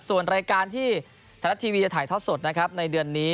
ส่วนรายการที่ธนัดทีวีจะถ่ายทอดสดในเดือนนี้